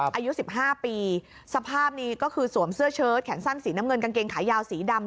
อายุ๑๕ปีสภาพนี้ก็คือสวมเสื้อเชิดแขนสั้นสีน้ำเงินกางเกงขายาวสีดำ